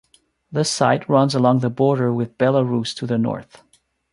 The site runs along the border with Belarus to the north.